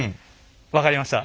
分かりました。